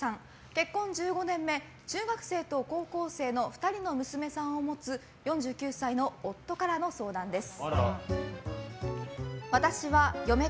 結婚１５年目、中学生と高校生の２人の娘さんを持つ４９歳の夫からの相談です。